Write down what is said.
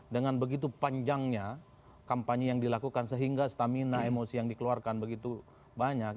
dengan begitu panjangnya kampanye yang dilakukan sehingga stamina emosi yang dikeluarkan begitu banyak